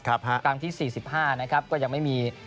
กับกลางที่๔๕ก็ยังไม่มี